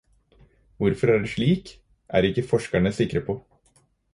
Hvorfor det er slik, er ikke forskerne sikre på.